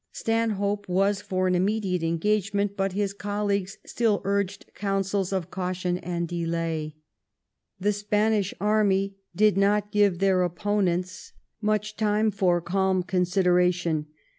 Stanhope was for an immediate en gagement, but his colleague still urged counsels of cautio^ and delay. The Spanish army did not give 38 THE REIGN OF QUEEN ANNE. ch. xxii. their opponents much time for cahn consideration.